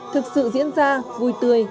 thực sự diễn ra vui tươi an lành